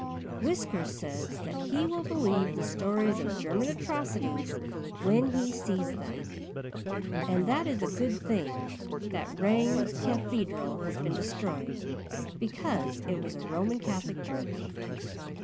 Whiskers says that he will believe the stories of German atrocities when he sees them, and that it is a good thing that Rangs Cathedral has been destroyed because it was a Roman Catholic church.